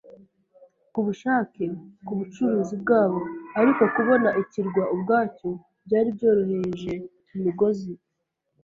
kubushake kubucuruzi bwabo; ariko kubona ikirwa ubwacyo byari byoroheje imigozi